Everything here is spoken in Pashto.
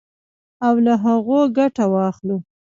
او له هغو ګټه واخلو.